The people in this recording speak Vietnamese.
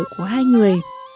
của hai người